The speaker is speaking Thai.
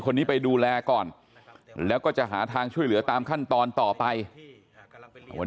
คนนี้ไปดูแลก่อนแล้วก็จะหาทางช่วยเหลือตามขั้นตอนต่อไปวัน